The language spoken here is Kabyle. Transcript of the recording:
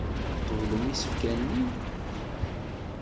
Tqeblem isefka-nni.